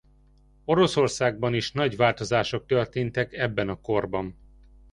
Oroszországban is nagy változások történtek ebben a korban.